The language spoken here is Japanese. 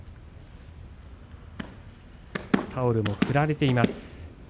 タオルも振られています。